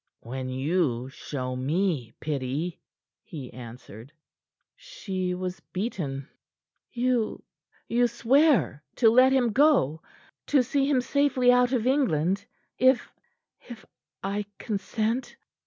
"When you show me pity," he answered. She was beaten. "You you swear to let him go to see him safely out of England if if I consent?"